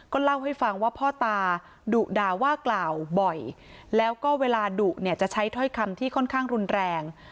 เล่าให้ฟังว่าพ่อตาดุด่าว่ากล่าวบ่อยแล้วก็เวลาดุเนี่ยจะใช้ถ้อยคำที่ค่อนข้างรุนแรง